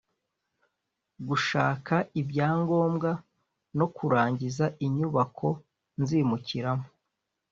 gushaka ibyangombwa no kurangiza inyubako nzimukiramo